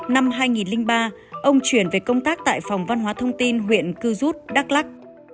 năm hai nghìn ba ông chuyển về công tác tại phòng văn hóa thông tin huyện cư rút đắk lắc